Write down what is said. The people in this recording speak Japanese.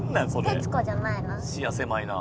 徹子じゃないな。